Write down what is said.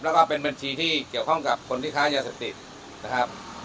แล้วก็เป็นบัญชีที่เกี่ยวข้องกับคนที่ค้ายาเสพติดนะครับ